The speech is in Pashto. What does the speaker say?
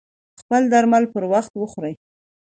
خپل درمل پر وخت وخوری